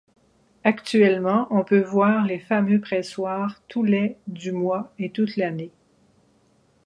Actuellement on peut voir les fameux pressoirs tous les du mois et toute l'année.